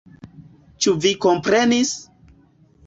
Ĉu vi komprenis?